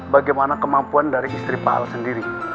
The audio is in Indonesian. bagaimana kemampuan dari istri pak al sendiri